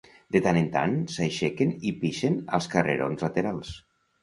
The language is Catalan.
De tant en tant s'aixequen i pixen als carrerons laterals.